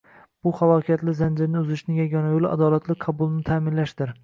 Bu halokatli zanjirni uzishning yagona yoʻli adolatli qabulni taʼminlashdir.